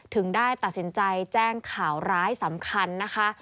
ถึงได้ตัดสินใจแจ้งข่าวร้ายสำคัญนะคะ